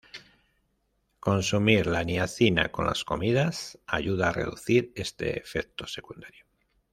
Consumir la niacina con las comidas ayuda a reducir este efecto secundario.